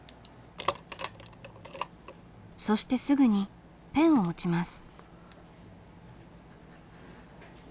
そしてすぐにペンを持ちます。